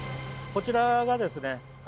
こちらがですね